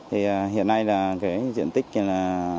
hiện nay diện tích này là